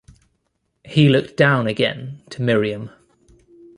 He looked down again to Miriam.